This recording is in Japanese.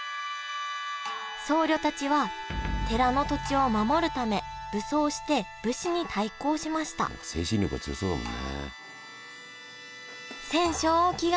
僧侶たちは寺の土地を守るため武装して武士に対抗しました精神力が強そうだもんね。